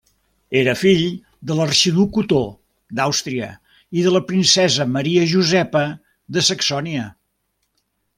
Era fill de l'arxiduc Otó d'Àustria i de la princesa Maria Josepa de Saxònia.